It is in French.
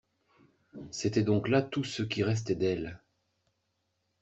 C'était donc là tout ce qui restait d'elle.